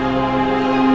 jangan kaget pak dennis